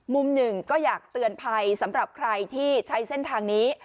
มุมหนึ่งก็อยากเตือนภัยสำหรับใครที่ใช้เส้นทางนี้